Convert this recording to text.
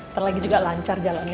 terlagi juga lancar jalannya